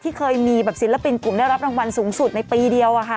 เคยมีแบบศิลปินกลุ่มได้รับรางวัลสูงสุดในปีเดียว